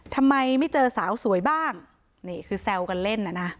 ทำไมไม่เจอสาวสวยบ้างนี่คือแซวกันเล่นน่ะนะ